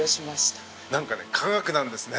なんかね化学なんですね。